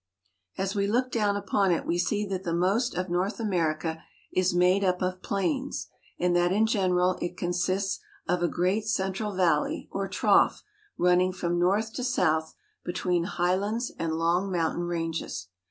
As we look down upon it we see that the most of North America is made up of plains, and that in general it con sists of a great central valley, or trough, running from north to south between high lands and long mountain ranges.